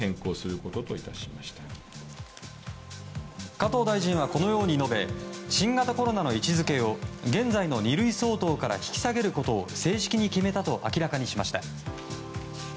加藤大臣はこのように述べ新型コロナの位置づけを現在の２類相当から引き下げることを正式に決めたと明らかにしました。